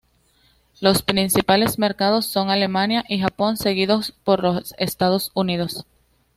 Los principales mercados son Alemania y Japón, seguidos por los Estados Unidos.